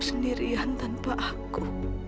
sendirian tanpa aku